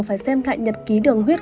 phải xem lại nhật ký đường huyết